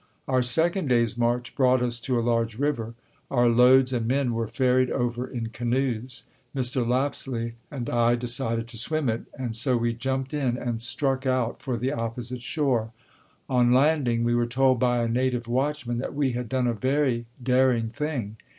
Our second day's march brought us to a large river. Our loads and men were ferried over in canoes. Mr. Lapsley and I decided to swim it, and so we jumped in and struck out for the opposite shore. On landing we were told by a native watchman that we had done a very daring thing.